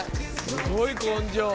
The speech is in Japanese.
すごい根性。